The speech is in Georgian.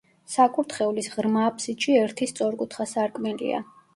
საკურთხევლის ღრმა აფსიდში ერთი სწორკუთხა სარკმელია.